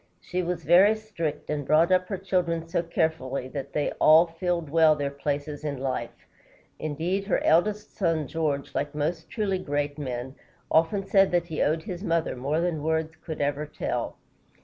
She was very strict, and brought up her children so carefully that they all filled well their places in life. Indeed, her eldest son, George, like most truly great men, often said that he owed his mother more than words could ever tell.